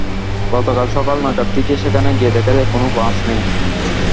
গতকাল সকাল নয়টার দিকে সেখানে গিয়ে দেখা যায় কোনো বাস নেই।